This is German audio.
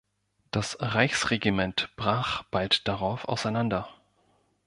Das Reichsregiment brach bald darauf auseinander.